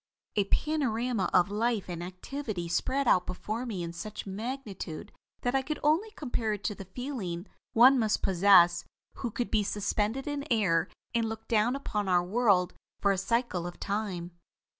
"A panorama of life and activity spread out before me in such magnitude that I can only compare it to the feeling one must possess who could be suspended in air and look down upon our world for a cycle of time.